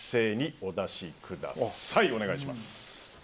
お願いします。